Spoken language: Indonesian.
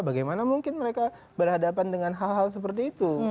bagaimana mungkin mereka berhadapan dengan hal hal seperti itu